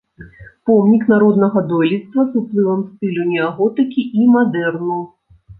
Помнік народнага дойлідства з уплывам стылю неаготыкі і мадэрну.